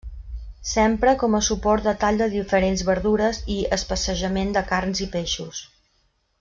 S'empra com a suport de tall de diferents verdures i especejament de carns i peixos.